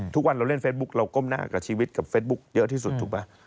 ทุกวันเราเล่นเฟซบุ๊คเราก้มหน้ากับชีวิตกับเฟซบุ๊คเยอะที่สุดถูกไหม